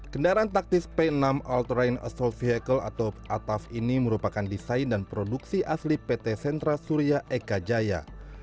kendaraan taktis p enam alterain assol vehicle atau ataf ini merupakan desain dan produksi asli pt sentra surya eka jaya